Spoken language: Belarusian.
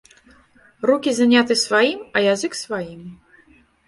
Рукі заняты сваім, а язык сваім.